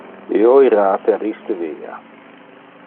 Io ira per iste via.